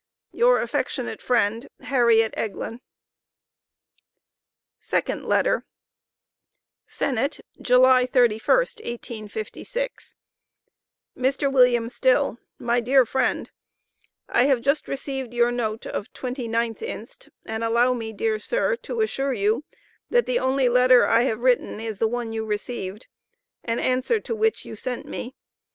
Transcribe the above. Your affectionate friend, HARRIET EGLIN. SECOND LETTER. SENNETT, July 31st, 1856. MR. WM. STILL: My Dear Friend: I have just received your note of 29th inst. and allow me dear sir, to assure you that the only letter I have written, is the one you received, an answer to which you sent me.